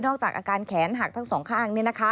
จากอาการแขนหักทั้งสองข้าง